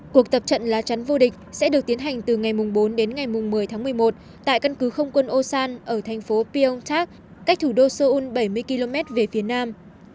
cuộc tập trận lá chắn vô địch sẽ được tiến hành từ ngày bốn đến ngày một mươi tháng một mươi một tại căn cứ không quân osan ở thành phố peong tak cách thủ đô seoul bảy mươi km về phía nam